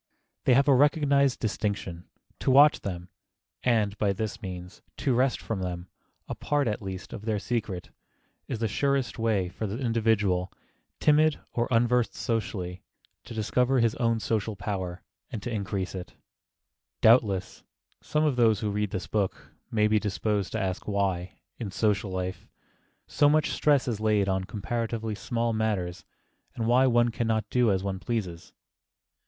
They have a recognized distinction. To watch them, and, by this means, to wrest from them a part at least of their secret, is the surest way for the individual, timid or unversed socially, to discover his own social power and to increase it. [Sidenote: TRIFLES MAKE PERFECTION] [Sidenote: THE UNIFORMITY OF CUSTOM] Doubtless some of those who read this book may be disposed to ask why, in social life, so much stress is laid on comparatively small matters and why one can not do as one pleases?